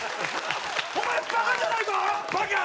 お前バカじゃないか！？